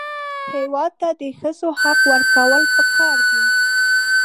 هېواد ته د ښځو حق ورکول پکار دي